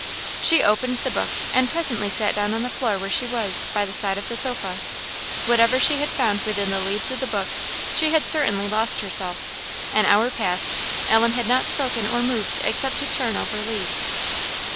She opened the book, and presently sat down on the floor where she was, by the side of the sofa. Whatever she had found within the leaves of the book, she had certainly lost herself. An hour passed. Ellen had not spoken or moved except to turn over leaves.